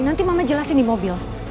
nanti mama jelasin di mobil